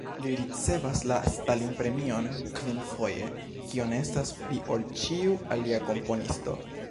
Li ricevas la Stalin-premion kvinfoje, kiom estas pli ol ĉiu alia komponisto.